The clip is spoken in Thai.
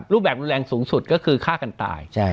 รูปแบบรุนแรงสูงสุดก็คือฆ่ากันตาย